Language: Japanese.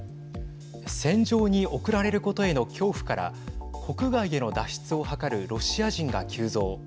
戦場に送られることへの恐怖から国外への脱出を図るロシア人が急増。